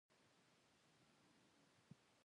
په بازارونو کې